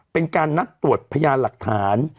เป็นการนัดตรวจพยานหลักฐาน